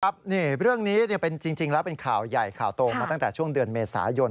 เรื่องนี้จริงแล้วเป็นข่าวใหญ่ข่าวโตมาตั้งแต่ช่วงเดือนเมษายน